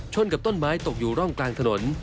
กับต้นไม้ตกอยู่ร่องกลางถนน